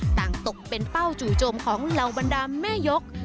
ต่างตกเป็นเป้าจู่โจมของเหล่าวัดดามแม่ยก